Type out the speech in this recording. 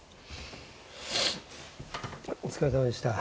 お疲れさまでした。